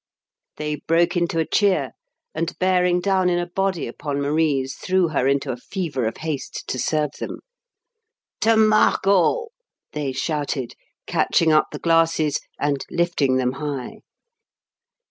They broke into a cheer, and bearing down in a body upon Marise, threw her into a fever of haste to serve them. "To Margot!" they shouted, catching up the glasses and lifting them high.